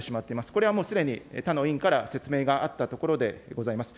これはもうすでに他の委員から説明があったところでございます。